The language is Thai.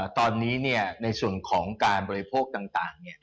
ตอนนี้เนี่ยในส่วนของการบริโภคต่างเนี่ย